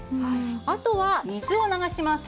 あとは水を流します。